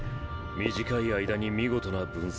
短い間に見事な分析。